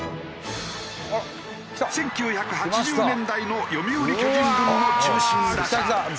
１９８０年代の読売巨人軍の中心打者。